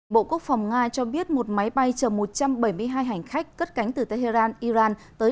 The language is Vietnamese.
bộ quốc phòng nga cho biết một máy bay chở một trăm bảy mươi hai hành khách cất cánh từ tehran iran tới